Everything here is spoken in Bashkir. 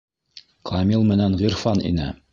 Камил менән Ғирфан инә.